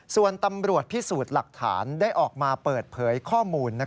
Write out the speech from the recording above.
ส่วนตำรวจพิสูจน์หลักฐานได้ออกมาเปิดเผยข้อมูล